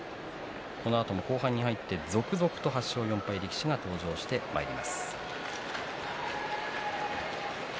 このあとも、後半に入って続々と８勝４敗の力士が登場します。